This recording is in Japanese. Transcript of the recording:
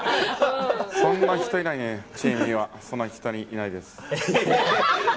そんな人いないね、チームには、そんな人いないです。